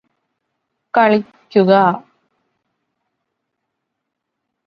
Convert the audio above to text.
കളിക്കുക